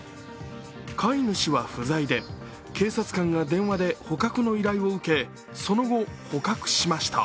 飼い主は不在で、警察官が電話で捕獲の依頼を受けその後、捕獲しました。